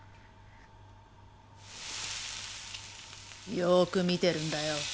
よく見てるんだよ。